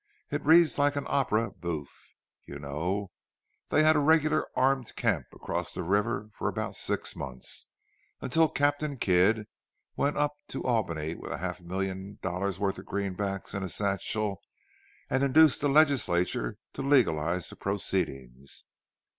It reads like opera bouffe, you know—they had a regular armed camp across the river for about six months—until Captain Kidd went up to Albany with half a million dollars' worth of greenbacks in a satchel, and induced the legislature to legalize the proceedings.